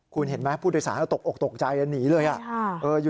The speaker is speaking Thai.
คุณเห็นไหมผู้โดยสารตกออกตกใจแล้วหนีเลย